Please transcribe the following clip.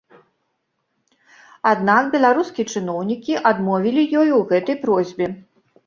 Аднак беларускія чыноўнікі адмовілі ёй у гэтай просьбе.